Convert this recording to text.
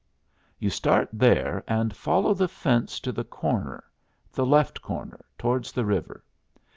"You start there and follow the fence to the corner the left corner, towards the river.